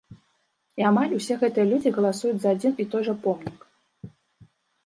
І амаль усе гэтыя людзі галасуюць за адзін і той жа помнік!